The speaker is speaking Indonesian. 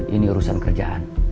ini urusan kerjaan